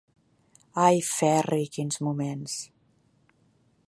Ai, Ferri, quins moments!